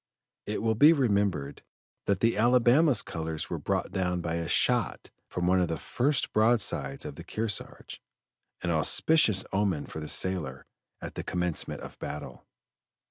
It will be remembered that the Alabama's colors were brought down by a shot from one of the first broadsides of the Kearsarge, an auspicious omen for the sailor at the commencement of battle.